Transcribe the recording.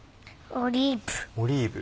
オリーブ。